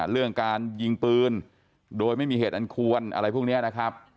เรื่องการยิงปืนโดยไม่มีเหตุอันควรอะไรพวกนี้นะครับ